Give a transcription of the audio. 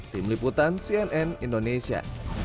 tim liputan cnn indonesia